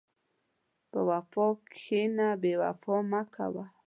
په وفا کښېنه، بېوفایي مه کوه.